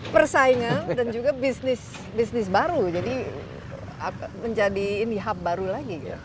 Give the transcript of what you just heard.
persaingan dan juga bisnis bisnis baru jadi menjadi ini hub baru lagi